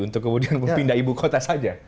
untuk kemudian pindah ibu kota saja